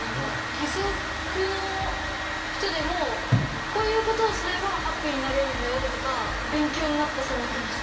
義足の人でもこういうことをすればハッピーになれるんだよとか勉強になったと思ってます。